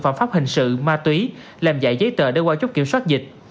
phạm pháp hình sự ma túy làm dạy giấy tờ để qua chốt kiểm soát dịch